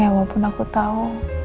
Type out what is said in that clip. ya walaupun aku tau